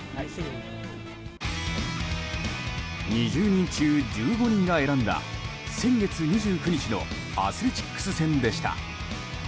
２０人中１５人が選んだ先月２９日のアスレチックス戦でした。